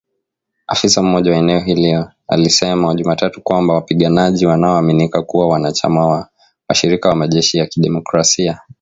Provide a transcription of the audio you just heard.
Afisa mmoja wa eneo hilo alisema Jumatatu kwamba wapiganaji wanaoaminika kuwa wanachama wa washirika wa majeshi yakidemokrasia